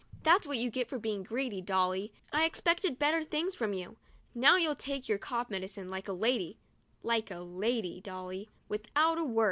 That's what you get for being greedy, Dolly ! I expected better things from you. Now you'll take your cough medicine like a lady — like a lady, Dolly, without a word."